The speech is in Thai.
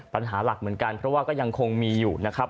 ปัญหาหลักเหมือนกันเพราะว่าก็ยังคงมีอยู่นะครับ